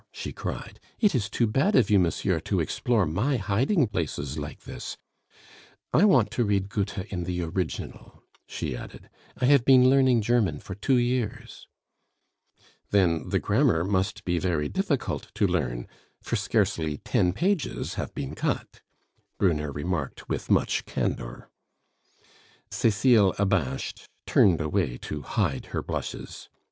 she cried; "it is too bad of you, monsieur, to explore my hiding places like this. I want to read Goethe in the original," she added; "I have been learning German for two years." "Then the grammar must be very difficult to learn, for scarcely ten pages have been cut " Brunner remarked with much candor. Cecile, abashed, turned away to hide her blushes.